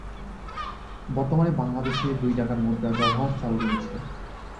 বর্তমানে বাংলাদেশে দুই টাকার মুদ্রার ব্যবহার চালু রয়েছে।